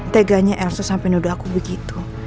teganya elsa sampai nudaku begitu